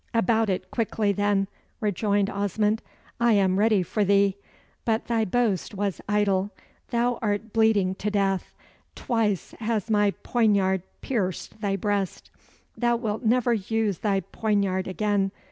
"About it quickly, then," rejoined Osmond: "I am ready for thee. But thy boast was idle. Thou art bleeding to death. Twice has my poignard pierced thy breast." "Thou wilt never use thy poignard again.